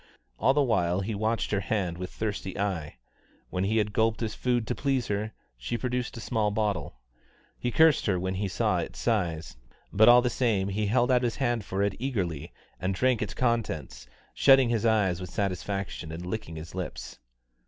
All the while he watched her hand with thirsty eye. When he had gulped his food to please her, she produced a small bottle. He cursed her when he saw its size, but all the same he held out his hand for it eagerly and drank its contents, shutting his eyes with satisfaction and licking his lips.